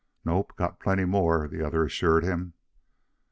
"Nope; got plenty more," the other assured him.